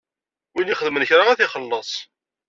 Win ixedmen kra ad t-ixelleṣ.